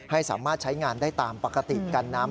ให้สามารถใช้งานได้ตามปกติกันน้ำ